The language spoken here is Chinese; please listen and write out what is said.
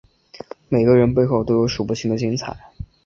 每个人背后都有数不清的精彩